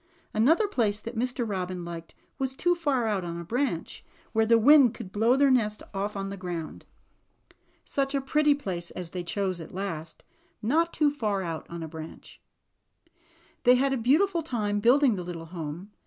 Another place that Mr. Robin liked was too far out on a branch, where the wind could blow their nest off on the ground. Such a THE ROBINS' HOME. 69 pretty place as they chose at last, not too far out on a branch They had a beautiful time building the little home.